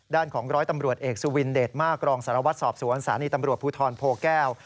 ด้านของร้อยตำรวจเอกสุวินเดชมากรองสารวัตรสอบสวนสถานีตำรวจภูทรโพแก้ว